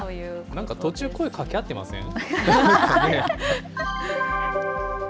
なんか途中、声かけ合ってません？